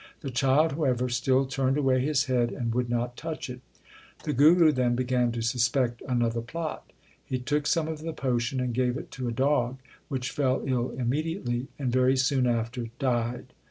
The child, however, still turned away his head and would not touch it. The Guru then began to suspect another plot. He took some of the potion and gave it to a dog, which fell ill immediately, and very soon after died.